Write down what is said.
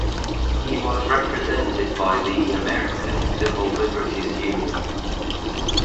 He was represented by the American Civil Liberties Union.